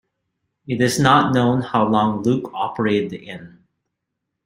It is not known how long Luke operated the inn.